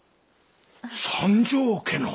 三条家の？